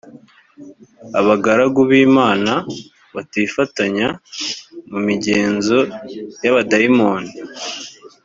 abagaragu b imana batifatanya mu migenzo y abadayimoni